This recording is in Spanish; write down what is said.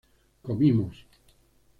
comimos